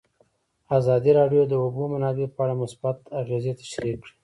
ازادي راډیو د د اوبو منابع په اړه مثبت اغېزې تشریح کړي.